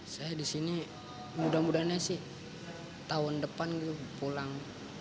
saya di sini mudah mudahannya sih tahun depan gitu pulang